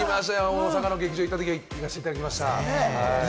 大阪の劇場に行ったときは行かせていただきました。